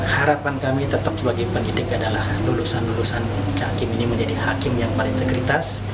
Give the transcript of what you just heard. harapan kami tetap sebagai pendidik adalah lulusan lulusan cakim ini menjadi hakim yang berintegritas